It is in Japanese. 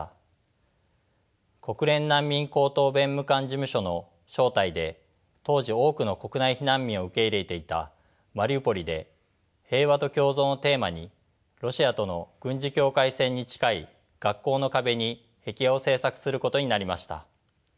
国連難民高等弁務官事務所の招待で当時多くの国内避難民を受け入れていたマリウポリで平和と共存をテーマにロシアとの軍事境界線に近い学校の壁に壁画を制作することになりました。